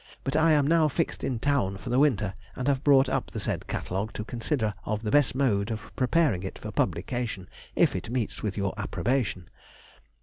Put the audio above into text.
But I am now fixed in town for the winter, and have brought up the said catalogue to consider of the best mode of preparing it for publication, if it meets with your approbation.